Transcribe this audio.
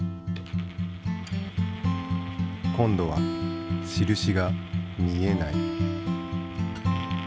今度は印が見えない。